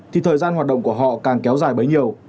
thì thời gian hoạt động của họ càng kéo dài bấy nhiêu